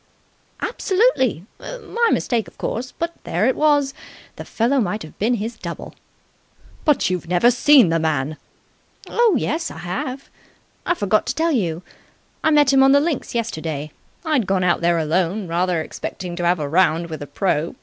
"Absolutely! My mistake, of course, but there it was. The fellow might have been his double." "But you've never seen the man." "Oh yes, I have. I forgot to tell you. I met him on the links yesterday. I'd gone out there alone, rather expecting to have a round with the pro.